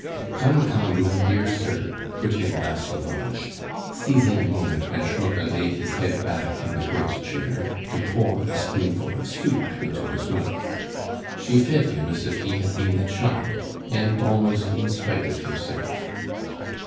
"Come, come, my dear sir," put in La Sauvage, seizing a moment when Schmucke laid his head back in the great chair to pour a spoonful of soup into his mouth. She fed him as if he had been a child, and almost in spite of himself.